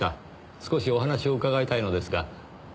少しお話を伺いたいのですが。